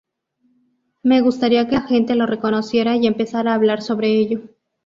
Me gustaría que la gente lo reconociera y empezara a hablar sobre ello.